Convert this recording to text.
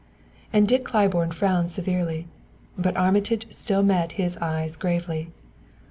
And Dick Claiborne frowned severely; but Armitage still met his eyes gravely.